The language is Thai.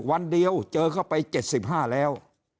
วันเดียวเจอเข้าไป๗๕แล้ว